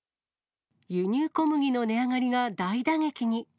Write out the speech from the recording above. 輸入小麦の値上がりが大打撃に。